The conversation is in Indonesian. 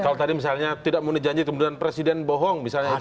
kalau tadi misalnya tidak mau dijanji kemudian presiden bohong